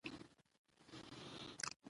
ازادي راډیو د امنیت اړوند مرکې کړي.